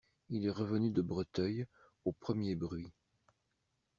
Il est revenu de Breteuil, aux premiers bruits.